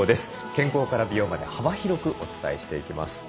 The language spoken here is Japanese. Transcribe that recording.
健康から美容まで幅広くお伝えしていきます。